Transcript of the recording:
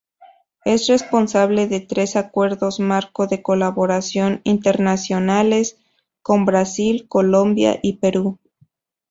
Es responsable de tres acuerdos marco de colaboración internacionales con Brasil, Colombia y Perú.